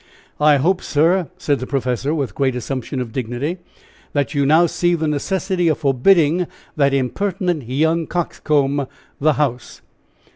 "I hope, sir," said the professor, with great assumption of dignity, "that you now see the necessity of forbidding that impertinent young coxcomb the house."